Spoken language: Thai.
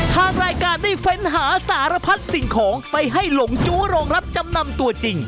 ทางรายการได้เฟ้นหาสารพัดสิ่งของไปให้หลงจู้โรงรับจำนำตัวจริง